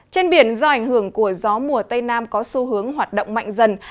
trên biển do ảnh hưởng của gió mùa tây nam có xu hướng hoạt động mạnh dần